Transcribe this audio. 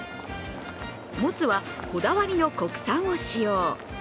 もつはこだわりの国産を使用。